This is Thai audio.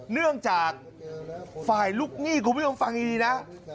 เนื่องจากฝ่ายลูกหนี้คุณผู้ชมฟังดีนะ